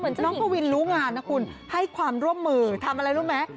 น้องกวินรู้งานนะคุณให้ความร่วมมือทำอะไรรู้ไหม